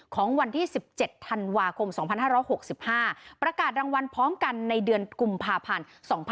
ของวันที่๑๗ธันวาคม๒๕๖๕ประกาศรางวัลพร้อมกันในเดือนกุมภาพันธ์๒๕๖๒